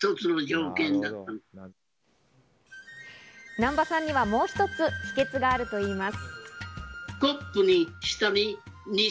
難波さんにはもう一つ、秘訣があるといいます。